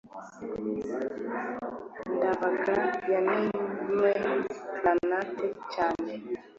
ndabaga yamennye clarinet cyane